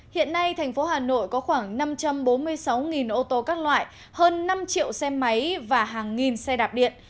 hiện nay tp hcm có khoảng năm trăm bốn mươi sáu ô tô các loại hơn năm triệu xe máy và hàng nghìn xe đạp điện